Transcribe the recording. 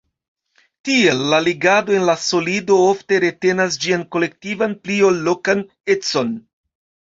Tiel, la ligado en la solido ofte retenas ĝian kolektivan pli ol lokan econ.